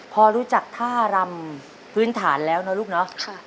พอรู้จักท่ารำพื้นฐานแล้วนะลูกเนาะ